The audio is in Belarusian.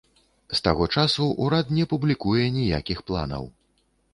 З таго часу ўрад не публікуе ніякіх планаў.